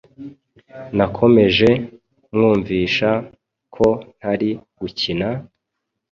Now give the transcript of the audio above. Nakomeje mwumvisha ko ntari gukina,